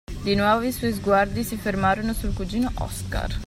Di nuovo i suoi sguardi si fermarono sul cugino Oscar.